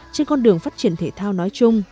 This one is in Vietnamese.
trên con đường phát triển thể thao nói chung